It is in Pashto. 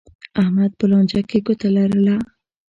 احمد په لانجه کې ګوته لرله.